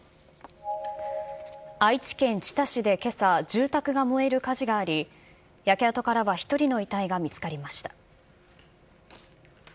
愛知県知多市でけさ、住宅が燃える火事があり、焼け跡からは１人の遺体が見つかりました。